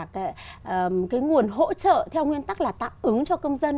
cái nguồn hỗ trợ theo nguyên tắc là tạm ứng cho công dân